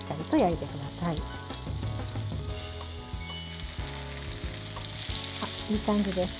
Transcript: いい感じです。